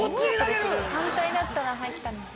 反対だったら入ったのに。